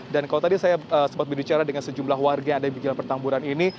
kalau tadi saya sempat berbicara dengan sejumlah warga yang ada di jalan pertamburan ini